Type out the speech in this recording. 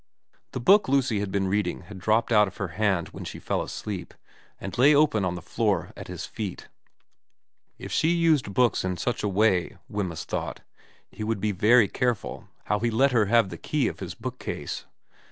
The book Lucy had been reading had dropped out of her hand when she fell asleep, and lay open on the floor at his feet. If she used books in such a way, Wemyss thought, he would be very careful how he let her have the key of his bookcase.